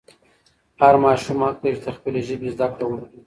هر ماشوم حق لري چې د خپلې ژبې زده کړه وکړي.